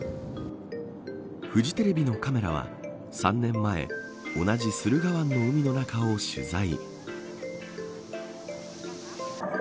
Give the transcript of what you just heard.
フジテレビのカメラは３年前同じ駿河湾の海の中を取材。